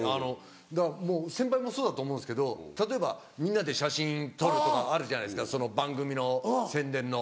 だから先輩もそうだと思うんですけど例えばみんなで写真撮るとかあるじゃないですかその番組の宣伝の。